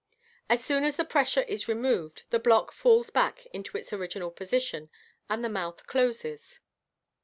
As soon as the pressure is removed, the block falls back into its original position, and the mouth closes.